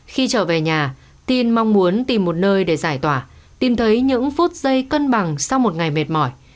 khi trở về nhà tiên mong muốn tìm một nơi để giải tỏa tìm thấy những phút giây cân bằng sau một ngày mệt mỏi